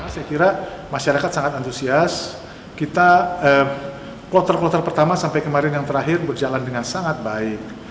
saya kira masyarakat sangat antusias kita kloter kloter pertama sampai kemarin yang terakhir berjalan dengan sangat baik